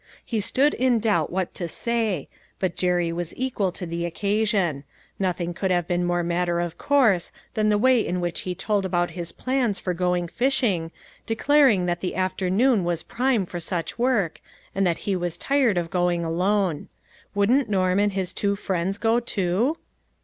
He stood in doubt what to say, but Jerry was equal to the occasion ; nothing could have been more matter of course than the way in which he told about his plans for going fishing, declaring that the afternoon was prime for such work, and that he was tired of going alone. " Wouldn't Norm and his two friends go too